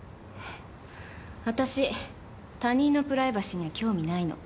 私他人のプライバシーには興味ないの。